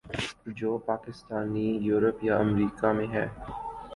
جو پاکستانی یورپ یا امریکا میں ہیں۔